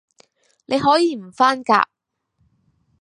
你可以唔返㗎